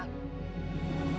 aku tidak akan pernah berhenti